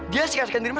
dia sikas sikas di rumah